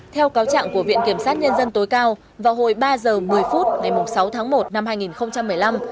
theo cáo trạng của viện kiểm sát nhân dân tối cao vào hồi ba h một mươi phút ngày sáu tháng một năm hai nghìn một mươi năm